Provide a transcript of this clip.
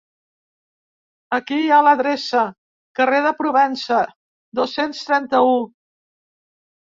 I aquí hi ha l'adreça, carrer de Provença, dos-cents trenta-u.